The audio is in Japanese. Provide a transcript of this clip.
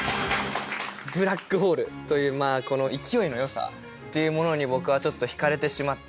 「ブラックホール」というこの勢いのよさっていうものに僕はちょっとひかれてしまって。